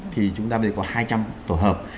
thì chúng ta bây giờ có hai trăm linh tổ hợp